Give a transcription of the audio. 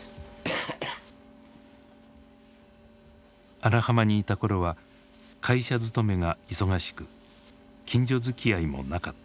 荒浜にいた頃は会社勤めが忙しく近所づきあいもなかった。